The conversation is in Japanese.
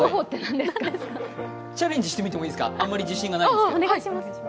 チャレンジしてみてもいいですかあまり自信はないですけど。